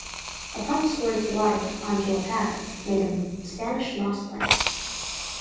A pump squirts water onto a pad made of Spanish-moss plants.